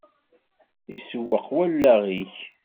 Isewweq wallaɣ-ik.